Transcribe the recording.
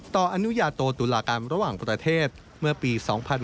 อนุญาโตตุลากรรมระหว่างประเทศเมื่อปี๒๕๕๙